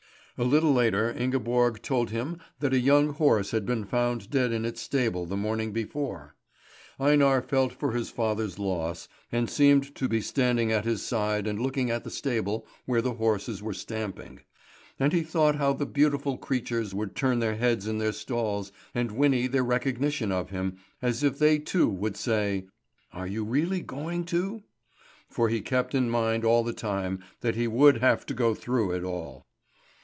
A little later Ingeborg told him that a young horse had been found dead in its stable the morning before. Einar felt for his father's loss, and seemed to be standing at his side and looking at the stable where the horses were stamping. And he thought how the beautiful creatures would turn their heads in their stalls and whinny their recognition of him, as if they too would say: "Are you really going to!" For he kept in mind all the time that he would have to go through it all.